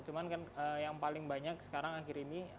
cuman kan yang paling banyak sekarang akhir ini